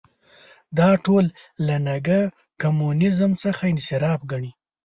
دا ټول له نګه کمونیزم څخه انحراف ګڼي.